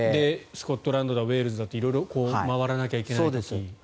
スコットランドだウェールズだって色々、回らなきゃいけない時に。